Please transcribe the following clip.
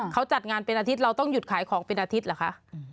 เขาจัดงานเป็นอาทิตย์เราต้องหยุดขายของเป็นอาทิตย์เหรอคะ